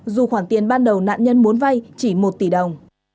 dù khoản tiền ban đầu nạn nhân muốn vay chỉ một tỷ đồng